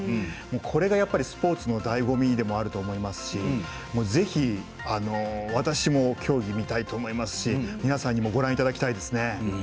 これがスポーツのだいご味でもあると思いますしぜひ、私も競技見たいと思いますし皆さんにもご覧いただきたいですね。